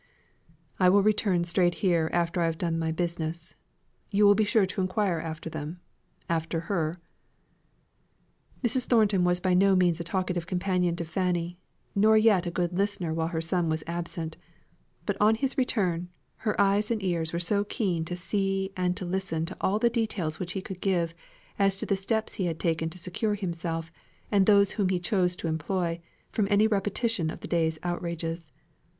"I will return straight here after I have done my business. You will be sure to enquire after them? after her?" Mrs. Thornton was by no means a talkative companion to Fanny, nor yet a good listener while her son was absent. But on his return, her eyes and ears were keen to see and to listen to all the details which he could give, as to the steps he had taken to secure himself, and those whom he chose to employ, from any repetition of the day's outrages.